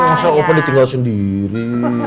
masa opa ditinggal sendiri